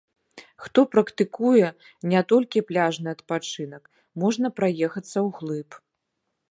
Хто практыкуе не толькі пляжны адпачынак, можна праехацца ўглыб.